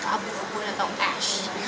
abu abu atau ash